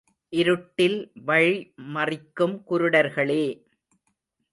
இருட்டில் வழி மறிக்கும் குருடர்களே!